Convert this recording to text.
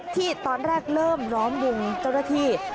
ที่ตอนแรกเริ่มล้อมวงเจ้าหน้าที่